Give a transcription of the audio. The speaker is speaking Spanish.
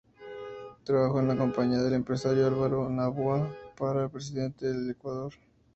Trabajó en la campaña del empresario Álvaro Noboa para presidente de Ecuador.